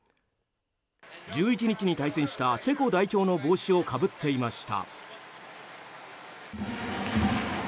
１１日に対戦したチェコ代表の帽子をかぶっていました。